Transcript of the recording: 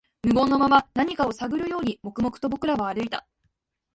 無言のまま、何かを探るように、黙々と僕らは歩いた